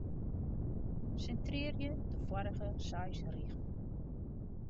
Sintrearje de foarige seis rigen.